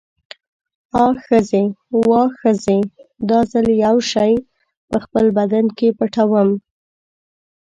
آ ښځې، واه ښځې، دا ځل یو شی په خپل بدن کې پټوم.